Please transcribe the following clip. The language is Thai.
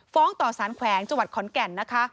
ฟ้องต่อสารแขวงจังหวัดขอนแก่นนะคะ